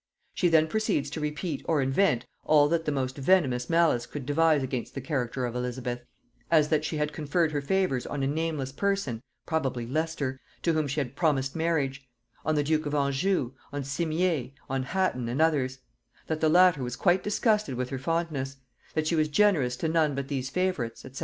She then proceeds to repeat or invent all that the most venomous malice could devise against the character of Elizabeth: as, that she had conferred her favors on a nameless person (probably Leicester) to whom she had promised marriage; on the duke of Anjou, on Simier, on Hatton and others; that the latter was quite disgusted with her fondness; that she was generous to none but these favorites, &c.